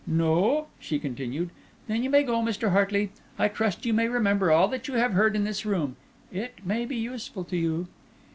No?" she continued; "then you may go, Mr. Hartley. I trust you may remember all that you have heard in this room; it may be useful to you."